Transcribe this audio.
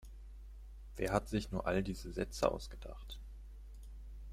Wer hat sich nur all diese Sätze ausgedacht?